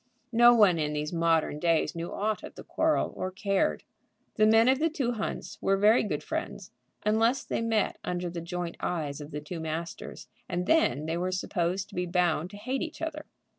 No one in these modern days knew aught of the quarrel, or cared. The men of the two hunts were very good friends, unless they met under the joint eyes of the two masters, and then they were supposed to be bound to hate each other.